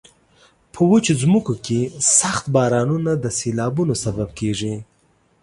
په وچو ځمکو کې سخت بارانونه د سیلابونو سبب کیږي.